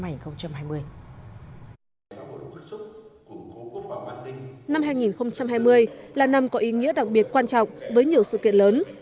năm hai nghìn hai mươi là năm có ý nghĩa đặc biệt quan trọng với nhiều sự kiện lớn